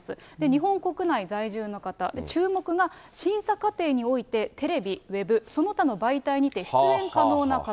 日本国内在住の方、注目が、審査過程においてテレビ、ウェブ、その他の媒体にて出演可能な方。